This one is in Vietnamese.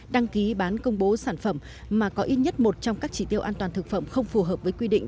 đăng ký bán công bố sản phẩm mà có ít nhất một trong các chỉ tiêu an toàn thực phẩm không phù hợp với quy định